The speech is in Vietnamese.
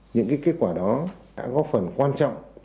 những kết quả đó đã góp phần quan trọng